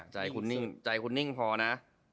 ใจคุ้นนิ่งพอนะ